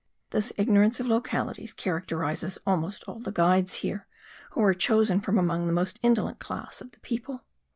This ignorance of localities characterises almost all the guides here, who are chosen from among the most indolent class of the people.